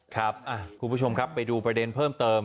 คุณผู้ชมครับไปดูประเด็นเพิ่มเติม